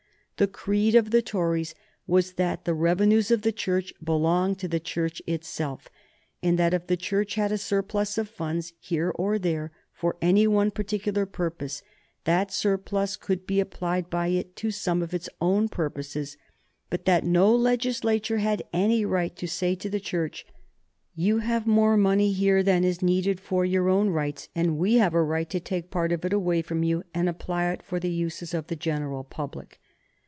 The creed of the Tories was that the revenues of the Church belonged to the Church itself, and that if the Church had a surplus of funds here or there for any one particular purpose that surplus could be applied by it to some of its other purposes, but that no legislature had any right to say to the Church, "You have more money here than is needed for your own rights, and we have a right to take part of it away from you and apply it for the uses of the general public."